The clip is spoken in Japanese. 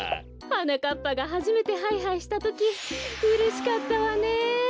はなかっぱがはじめてハイハイしたときうれしかったわね！